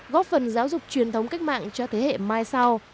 góp phần giáo dục truyền thống cách mạng cho thế hệ mai sau